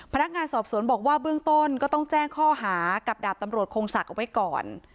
พนักงานสอบสวนบอกว่าเบื้องต้นก็ต้องแจ้งข้อหากับดาบตำรวจคงศักดิ์เอาไว้ก่อน